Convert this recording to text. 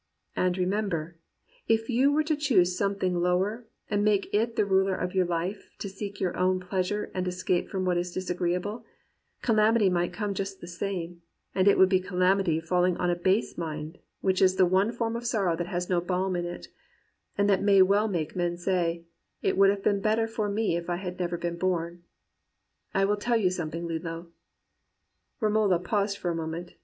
And remember, if you were to choose something lower, and make it the rule of your life to seek your own pleasure and escape from what is disagreeable, calamity might come just the same ; and it would be calamity falling on a base mind, which is the one 152 GEORGE ELIOT AND REAL WOMEN form of sorrow that has no balm in it, and that may well make a man say, "It would have been better for me if I had never been born." I will tell you something, Lillo/ "Romola paused for a moment.